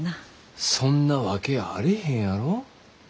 そんなわけあれへんやろ。